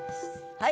はい。